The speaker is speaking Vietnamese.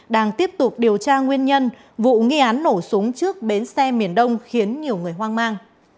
đang tiếp tục điều tra nguyên nhân vụ nghi án nổ súng trước bến xe miền đông khiến nhiều người hoang mang